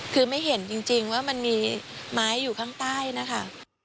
คือไม่เห็นจริงว่ามันมีไม้อยู่ข้างใต้นะคะ